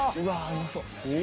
うまそう。